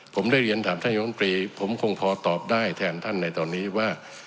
ผมได้เรียนถามท่านยมตรีผมคงพอตอบได้แทนท่านในตอนนี้ว่า